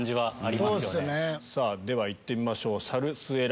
では行ってみましょう。